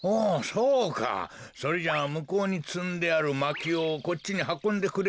それじゃあむこうにつんであるまきをこっちにはこんでくれるかな？